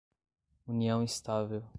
união estável